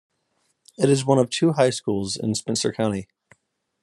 It is one of two high schools in Spencer County.